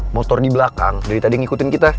motor di belakang dari tadi ngikutin kita